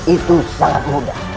itu sangat mudah